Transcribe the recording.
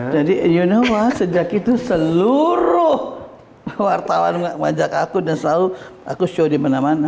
jadi you know what sejak itu seluruh wartawan mengajak aku dan selalu aku show di mana mana